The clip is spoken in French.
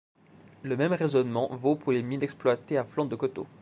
Le même raisonnement vaut pour les mines exploitées à flanc de coteau.